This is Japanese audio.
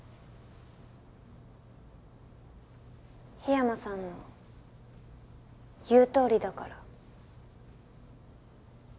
桧山さんの言う通りだから。